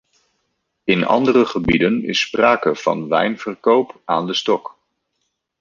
In andere gebieden is sprake van wijnverkoop aan de stok.